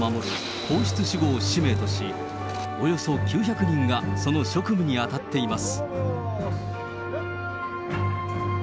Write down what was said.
皇室守護を使命とし、およそ９００人がその職務に当たっています。